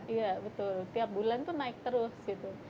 iya betul tiap bulan itu naik terus gitu